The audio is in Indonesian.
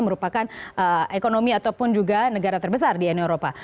merupakan ekonomi ataupun juga negara terbesar di uni eropa